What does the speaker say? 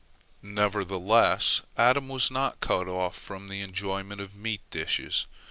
Nevertheless, Adam was not cut off from the enjoyment of meat dishes.